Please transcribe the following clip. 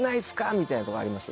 みたいなとこあります？